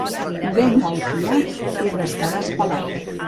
Ven al fiat i restaràs pelat.